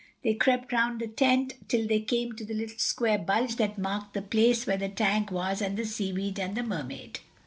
They crept around the tent till they came to the little square bulge that marked the place where the tank was and the seaweed and the Mermaid.